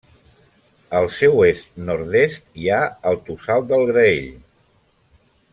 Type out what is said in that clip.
Al seu est-nord-est hi ha el Tossal del Graell.